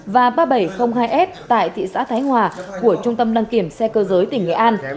và ba nghìn bảy trăm linh hai s tại thị xã thái hòa của trung tâm đăng kiểm xe cơ giới tỉnh nghệ an